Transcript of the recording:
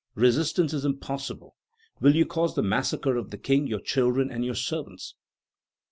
Resistance is impossible. Will you cause the massacre of the King, your children, and your servants?"